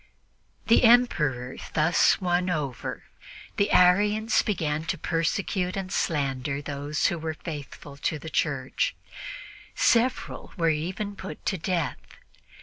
The Emperor thus won over, the Arians began to persecute and slander those who were faithful to the Church; several were even put to death.